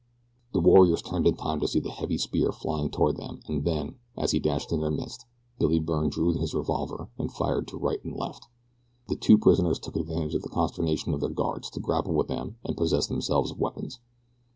The warriors turned in time to see the heavy spear flying toward them and then, as he dashed into their midst, Billy Byrne drew his revolver and fired to right and left. The two prisoners took advantage of the consternation of their guards to grapple with them and possess themselves of weapons.